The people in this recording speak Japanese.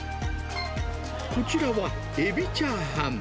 こちらはエビチャーハン。